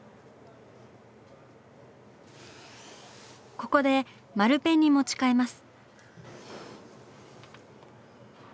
ここで丸ペンに持ち替えます。